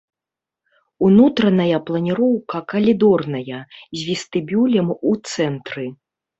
Унутраная планіроўка калідорная, з вестыбюлем у цэнтры.